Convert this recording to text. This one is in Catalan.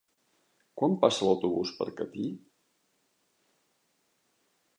Quan passa l'autobús per Catí?